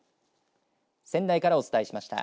仙台からお伝えしました。